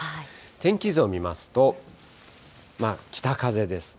天気図を見ますと、北風ですね。